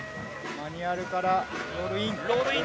マニュアルからロールイン。